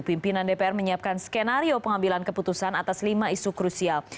pimpinan dpr menyiapkan skenario pengambilan keputusan atas lima isu krusial